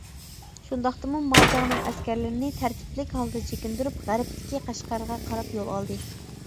شۇنداقتىمۇ ماجاڭنىڭ ئەسكەرلىرىنى تەرتىپلىك ھالدا چېكىندۈرۈپ، غەربتىكى قەشقەرگە قاراپ يول ئالدى.